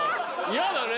嫌だね。